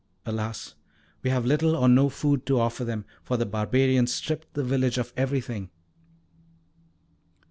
Alas! we have little or no food to offer them, for the barbarians stripped the village of everything."